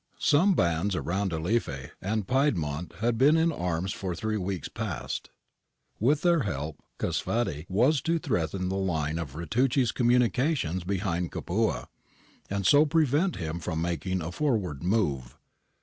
Some bands around Alife and Piedimonte had been in arms for three weeks past.'^ With their help Csufady was to threaten the line of Ritucci's communications behind Capua, and so prevent him from making a forward move.